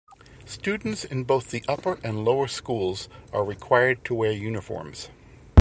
Students in both the Upper and Lower schools are required to wear uniforms.